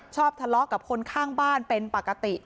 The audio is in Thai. ทะเลาะกับคนข้างบ้านเป็นปกติ